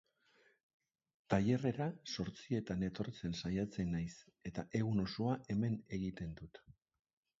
Tailerrera zortzietan etortzen saiatzen naiz eta egun osoa hemen egiten dut.